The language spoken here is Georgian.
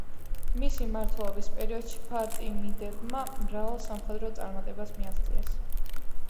მისი მმართველობის პერიოდში ფატიმიდებმა მრავალ სამხედრო წარმატებას მიაღწიეს.